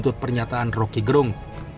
dan roke gerung